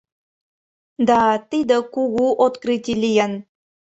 Да, тиде кугу открытий лийын.